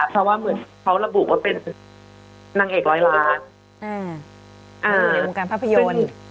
เพราะว่าเหมือนเขาระบุว่าเป็นนางเอกร้อยล้านในวงการภาพยนตร์